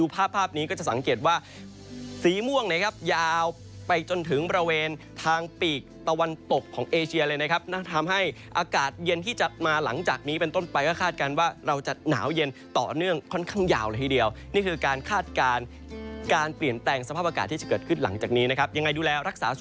ภาพนี้ก็จะสังเกตว่าสีม่วงนะครับยาวไปจนถึงบริเวณทางปีกตะวันตกของเอเชียเลยนะครับทำให้อากาศเย็นที่จะมาหลังจากนี้เป็นต้นไปก็คาดการณ์ว่าเราจะหนาวเย็นต่อเนื่องค่อนข้างยาวเลยทีเดียวนี่คือการคาดการณ์การเปลี่ยนแปลงสภาพอากาศที่จะเกิดขึ้นหลังจากนี้นะครับยังไงดูแลรักษาสุ